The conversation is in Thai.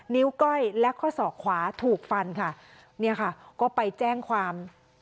้ว้อยและข้อศอกขวาถูกฟันค่ะเนี่ยค่ะก็ไปแจ้งความ